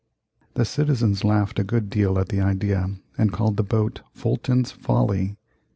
The citizens laughed a good deal at the idea and called the boat "Fulton's Folly."